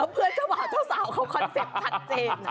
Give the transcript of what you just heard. เพื่อนเจ้าบ่าวเจ้าสาวเขาคอนเซ็ปต์ชัดเจนนะ